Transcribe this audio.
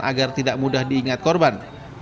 agar tidak mudah diingat korban